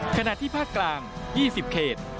ขณะที่ภาคกลาง๒๐เขต